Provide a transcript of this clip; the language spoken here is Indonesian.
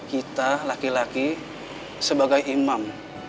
kita laki laki sebagai imam